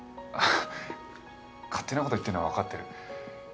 勝手なこと言ってんのは分かってる。